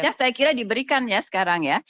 list nya saya kira diberikan ya sekarang ya